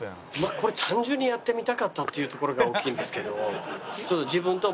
これ単純にやってみたかったっていうところが大きいんですけど。